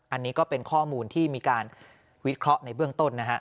อันนี้ก็เป็นข้อมูลที่มีการวิเคราะห์ในเบื้องต้นนะฮะ